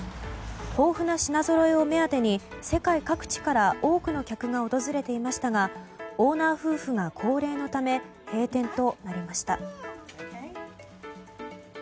豊富な品ぞろえを目当てに世界各地から多くの客が訪れていましたがオーナー夫婦が高齢のため閉店となりました。